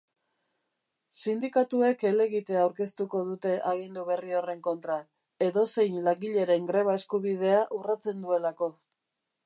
Sindikatuek helegitea aurkeztuko dute agindu berri horren kontra, edozein langileren greba-eskubidea urratzen duelako.